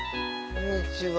こんにちは。